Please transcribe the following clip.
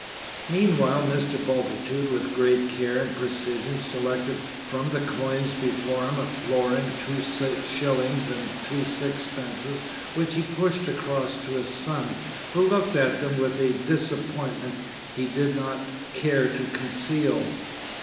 Meanwhile Mr. Bultitude, with great care and precision, selected from the coins before him a florin, two shillings, and two sixpences, which he pushed across to his son, who looked at them with a disappointment he did not care to conceal.